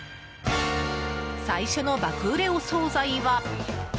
最初の爆売れお総菜は。